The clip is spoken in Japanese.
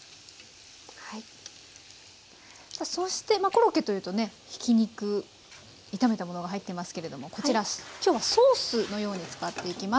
そしてまあコロッケというとねひき肉炒めたものが入ってますけれどもこちらきょうはソースのように使っていきます。